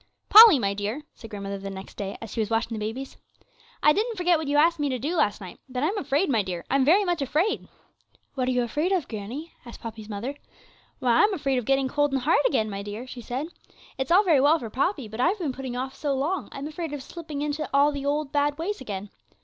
'Polly, my dear,' said grandmother the next day, as she was washing the babies, 'I didn't forget what you asked me to do last night; but I'm afraid, my dear, I'm very much afraid.' 'What are you afraid of, granny?' asked Poppy's mother. 'Why, I'm afraid of getting cold and hard again, my dear,' she said; 'it's all very well for Poppy, but I've been putting off so long, I'm afraid of slipping into all the bad, old ways again.